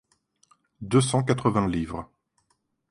deux cent quatre-vingts livres.